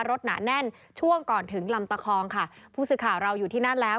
หนาแน่นช่วงก่อนถึงลำตะคองค่ะผู้สื่อข่าวเราอยู่ที่นั่นแล้ว